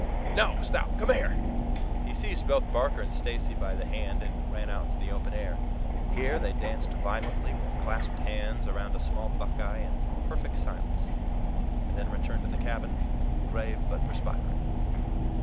No! stop! Come here!" He seized both Barker and Stacy by the hand, and ran out into the open air. Here they danced violently with clasped hands around a small buckeye, in perfect silence, and then returned to the cabin, grave but perspiring.